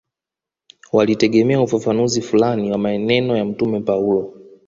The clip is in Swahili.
Walitegemea ufafanuzi fulani wa maneno ya Mtume Paulo